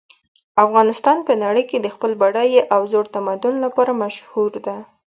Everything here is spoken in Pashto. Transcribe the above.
افغانستان په نړۍ کې د خپل بډایه او زوړ تمدن لپاره مشهور ده